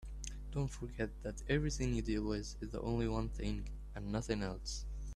Don't forget that everything you deal with is only one thing and nothing else.